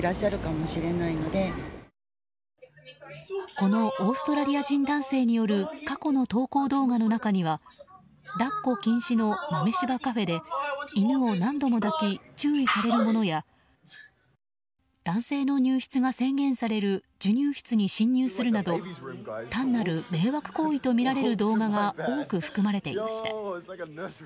このオーストラリア人男性による過去の投稿動画の中には抱っこ禁止の豆柴カフェで犬を何度も抱き注意されるものや男性の入室が制限される授乳室に侵入するなど単なる迷惑行為とみられる動画が多く含まれていました。